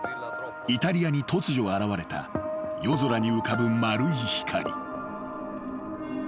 イタリアに突如現れた夜空に浮かぶ丸い光］